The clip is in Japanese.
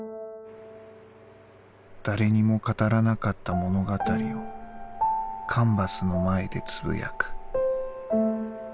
「誰にも語らなかった物語をカンバスの前で呟く」。